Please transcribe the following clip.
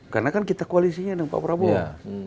karena kan kita koalisinya dengan pak prabowo